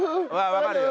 わかるよ。